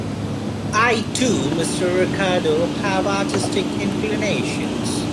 I, too, Mr. Ricardo, have artistic inclinations.